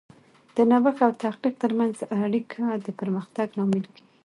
د نوښت او تخلیق ترمنځ اړیکه د پرمختګ لامل کیږي.